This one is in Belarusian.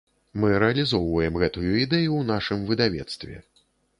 Мы рэалізоўваем гэтую ідэю ў нашым выдавецтве.